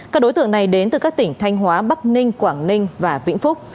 các đối tượng này đến từ các tỉnh thanh hóa bắc ninh quảng ninh và vĩnh phúc